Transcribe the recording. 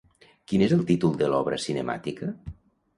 Quin és el títol de l'obra cinemàtica?